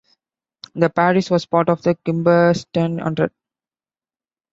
The parish was part of the Kilmersdon Hundred.